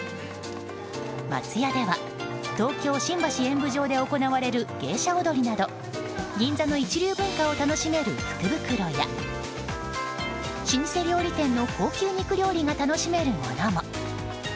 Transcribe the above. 松屋では東京・新橋演舞場で行われる芸者踊りなど銀座の一流文化を楽しめる福袋や老舗料理店の高級肉料理が楽しめるものも。